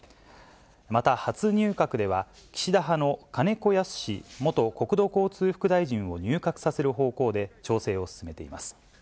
また、初入閣では、岸田派の金子恭之元国土交通副大臣を入閣させる方向で調整を進めています。